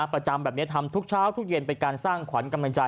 ประจำแบบนี้ทำทุกเช้าทุกเย็นเป็นการสร้างขวัญกำลังใจ